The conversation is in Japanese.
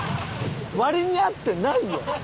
割に合ってないんよ。